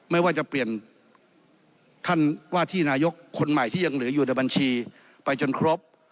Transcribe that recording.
ไม่ว่าจะเปลี่ยนท่านว่าที่นายกคนใหม่ที่ยังเหลืออยู่ในบัญชีไปจนครบ